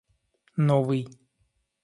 новый